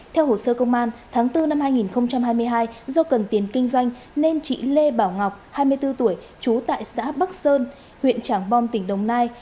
theo hồ sơ công an tháng bốn năm hai nghìn hai mươi hai do cần tiền kinh doanh nên chị lê bảo ngọc hai mươi bốn tuổi trú tại xã bắc sơn huyện trảng bom tỉnh đồng nai